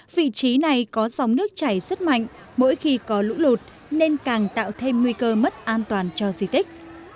vị trí này có dòng nước chảy rất mạnh mỗi khi có lũ lụt nên càng tạo thêm nguy cơ mất an toàn cho di tích